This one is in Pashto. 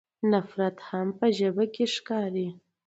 نفرت هم په ژبه کې ښکاري.